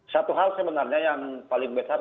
satu hal sebenarnya yang paling besar